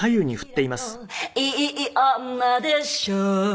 「いい女でしょ」